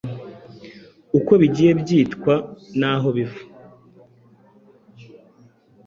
uko bigiye byitwa naho biva